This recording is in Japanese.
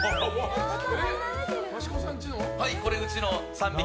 これ、うちの３匹。